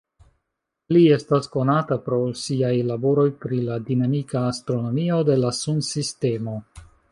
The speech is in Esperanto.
Li estas konata pro siaj laboroj pri la dinamika astronomio de la Sunsistemo.